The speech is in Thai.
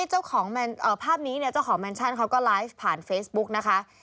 ตอนนี้เจ้าของแมนชั่นเขาก็ไลฟ์ผ่านเฟซบุ๊กนะคะ